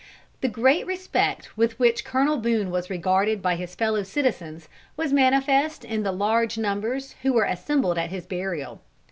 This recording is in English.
The great respect with which Colonel Boone was regarded by his fellow citizens, was manifest in the large numbers who were assembled at his burial.